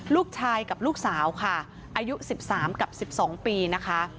ลูกชายกับลูกสาวค่ะอายุ๑๓กับ๑๒ปีนะคะ